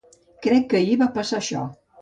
Crec que ahir va passar això.